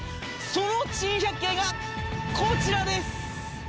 その珍百景がこちらです。